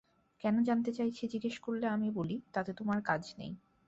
কেন জানতে চাইছি জিজ্ঞেস করলে আমি বলি, তাতে তোমার কাজ নেই।